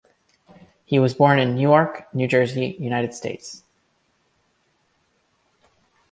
He was born in Newark, New Jersey, United States.